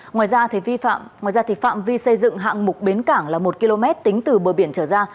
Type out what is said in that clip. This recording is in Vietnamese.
ngoài ra phạm vi xây dựng hạng mục bến cảng là một km tính từ bờ biển trở ra